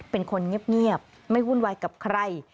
เป็นคนเงียบไม่วุ่นวายกับใคร